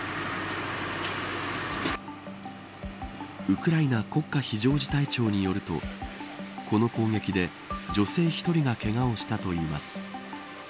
ウクライナ国家非常事態庁によるとこの攻撃で女性１人がけがをしたといいます。